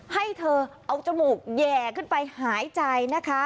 ให้เธอเอาจมูกแห่ขึ้นไปหายใจนะคะ